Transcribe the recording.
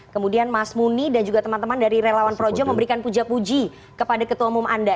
kemudian mas muni dan juga teman teman dari relawan projo memberikan puja puji kepada ketua umum anda